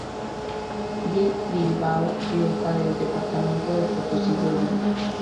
B. Bilbao Rioja del departamento de Potosí Bolivia.